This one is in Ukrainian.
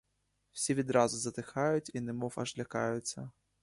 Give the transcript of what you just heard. Всі відразу затихають і немов аж лякаються.